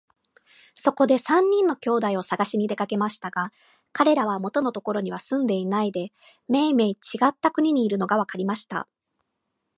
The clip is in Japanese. そこで三人の兄弟をさがしに出かけましたが、かれらは元のところには住んでいないで、めいめいちがった国にいるのがわかりました。